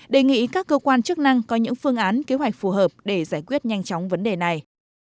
đề nghị các cơ quan chức năng có những phương án kế hoạch phù hợp để giải quyết nhanh chóng vấn đề này